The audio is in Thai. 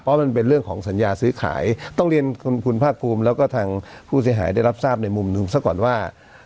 เพราะมันเป็นเรื่องของสัญญาซื้อขายต้องเรียนคุณภาคภูมิแล้วก็ทางผู้เสียหายได้รับทราบในมุมหนึ่งซะก่อนว่า